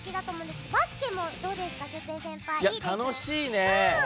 楽しいね。